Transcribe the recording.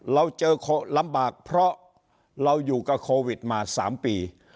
เราเจอลำบากเพราะเราอยู่กับโควิดมา๓ปี